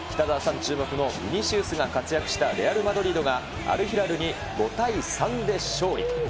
注目のビニシウスが活躍したレアル・マドリードが、アルヒラルに５対３で勝利。